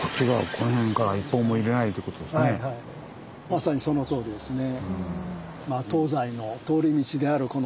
この辺からまさにそのとおりですね。